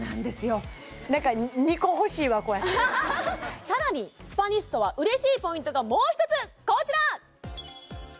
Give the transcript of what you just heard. こうやってさらにスパニストは嬉しいポイントがもう一つこちら！